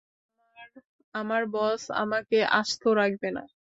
আমার বস আমাকে আস্ত রাখবে না।